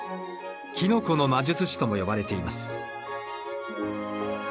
キノコの魔術師とも呼ばれています。